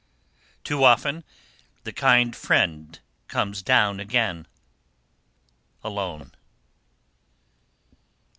Too often, the kind friend comes down again alone.